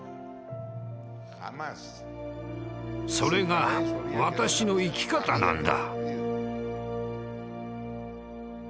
それが私の生き方なんだ。